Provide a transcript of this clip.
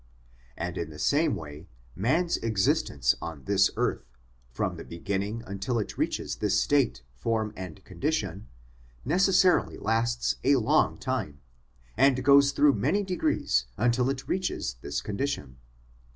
And in the same way, man's existence on this earth, from the beginning until it reaches this state, form, and condition, necessarily lasts a long time, and goes through many degrees until it reaches this condition.